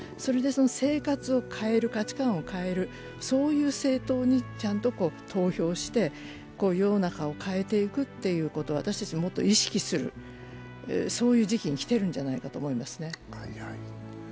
生活を変える、価値観を変える、そういう政党にちゃんと投票して世の中を変えていくっていうことを私たちはもっと意識する、そういう時期に来てるんじゃないかと思いますね。